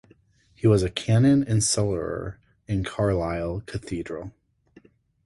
He was a canon and cellerer in Carlisle Cathedral.